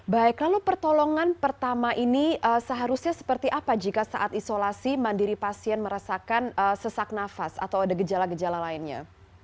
baik lalu pertolongan pertama ini seharusnya seperti apa jika saat isolasi mandiri pasien merasakan sesak nafas atau ada gejala gejala lainnya